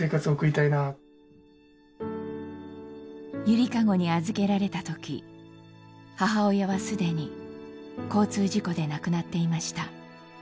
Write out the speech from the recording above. ゆりかごに預けられたとき母親はすでに交通事故で亡くなっていました。